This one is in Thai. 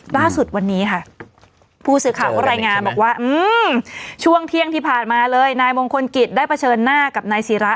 ล่าสุดวันนี้ค่ะผู้สื่อข่าวก็รายงานบอกว่าช่วงเที่ยงที่ผ่านมาเลยนายมงคลกิจได้เผชิญหน้ากับนายศิรา